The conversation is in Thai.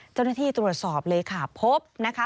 เจ้าหน้าที่ตรวจสอบเลยค่ะพบนะคะ